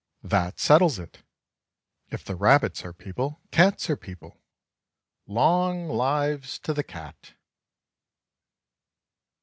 That settles it! If the rabbits are people, cats are people. Long lives to the cat!